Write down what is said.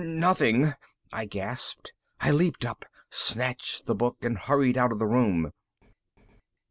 "Nothing," I gasped. I leaped up, snatched the book, and hurried out of the room.